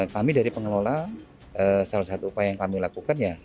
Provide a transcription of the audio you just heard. kami dari pengelola salah satu upaya yang kami lakukan ya